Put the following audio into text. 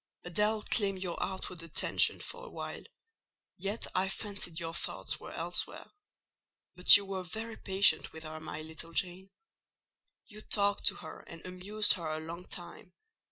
Adèle claimed your outward attention for a while; yet I fancied your thoughts were elsewhere: but you were very patient with her, my little Jane; you talked to her and amused her a long time.